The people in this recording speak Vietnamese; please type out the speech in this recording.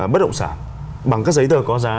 bất động sản bằng các giấy tờ có giá